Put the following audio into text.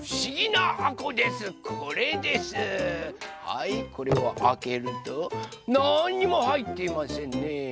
はいこれをあけるとなんにもはいっていませんね。